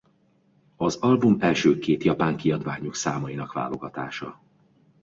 Az album az első két japán kiadványuk számainak válogatása.